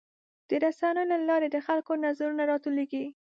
د رسنیو له لارې د خلکو نظرونه راټولیږي.